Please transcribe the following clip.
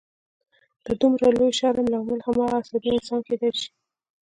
د دومره لوی شر لامل هماغه عصبي انسان کېدای شي